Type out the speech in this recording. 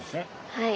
はい。